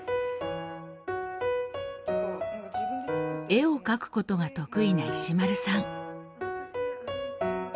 絵を描くことが得意な石丸さん。